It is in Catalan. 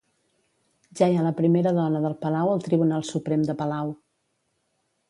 Ja hi ha la primera dona del Palau al Tribunal Suprem de Palau.